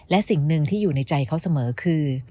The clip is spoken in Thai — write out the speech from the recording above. และสิ่งหนึ่งที่อยู่ในใจเขาเสมอคือ